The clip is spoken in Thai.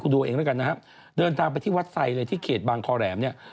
ดูเองแล้วกันนะครับเดินทางไปที่วัดไซดเลยที่เขตบางคอแหลมเนี่ย